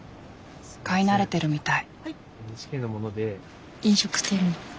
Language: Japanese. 買い慣れてるみたい。